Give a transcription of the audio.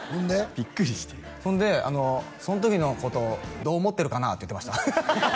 ビックリしてそんでそん時のことをどう思ってるかなあって言ってました